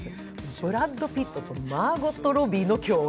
ブラッド・ピットとマーゴット・ロビーの共演。